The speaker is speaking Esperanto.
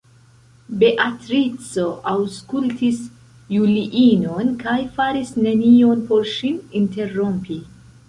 Beatrico aŭskultis Juliinon, kaj faris nenion por ŝin interrompi.